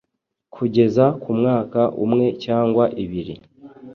kugeza kumwaka umwe cyangwa ibiri